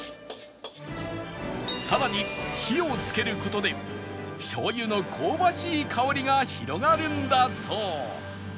さらに火をつける事で醤油の香ばしい香りが広がるんだそう